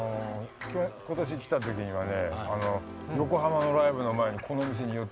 今年来た時にはね横浜のライブの前にこの店に寄ってくれたのよ。